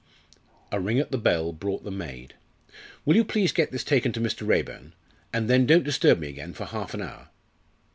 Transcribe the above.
A ring at the bell brought the maid. "Will you please get this taken to Mr. Raeburn? And then, don't disturb me again for half an hour."